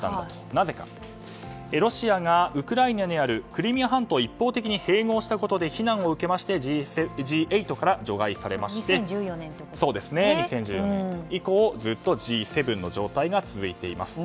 なぜかというとロシアがウクライナにあるクリミア半島を一方的に併合したことで非難を受けましてＧ８から除外されまして２０１４年以降ずっとＧ７の状態が続いています。